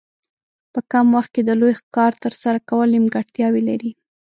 په کم وخت کې د لوی کار ترسره کول نیمګړتیاوې لري.